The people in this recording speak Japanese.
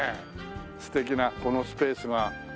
素敵なこのスペースが。